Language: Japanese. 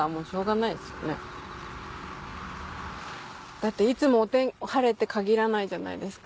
だっていつも晴れって限らないじゃないですか。